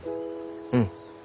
うん。